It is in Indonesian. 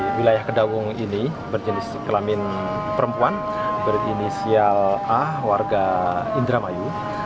di wilayah kedawung ini berjenis kelamin perempuan berinisial a warga indramayu